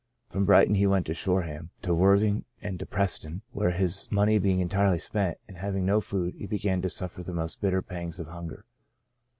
From Brighton he went to Shoreham, to Worth ing, and to Preston, where, his money being entirely spent, and having no food, he began to suffer the most bitter pangs of hunger.